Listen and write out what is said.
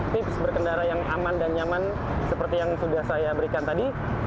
tips berkendara yang aman dan nyaman seperti yang sudah saya berikan tadi